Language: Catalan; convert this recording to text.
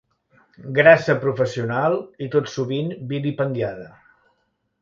Grassa professional i tot sovint vilipendiada.